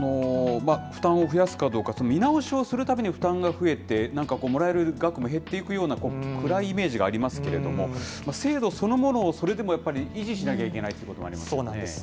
負担を増やすかどうか、見直しをするたびに負担が増えて、なんかこう、もらえる額が減っていくような、暗いイメージがありますけれども、制度そのものを、それでもやっぱり維持しなきゃいけないというこそうなんです。